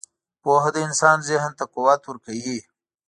• پوهه د انسان ذهن ته قوت ورکوي.